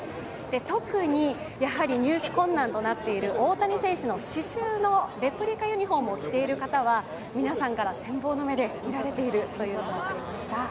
特に入手困難となっている大谷選手の刺繍のレプリカユニフォームを着ている方は皆さんから羨望の目で見られていました。